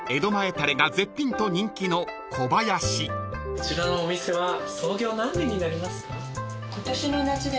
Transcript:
こちらのお店は創業何年になりますか？